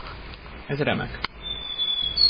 Ez remek.